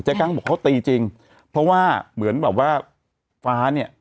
กั้งบอกเขาตีจริงเพราะว่าเหมือนแบบว่าฟ้าเนี่ย